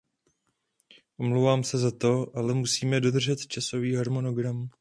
Omlouvám se za to, ale musíme dodržet časový harmonogram.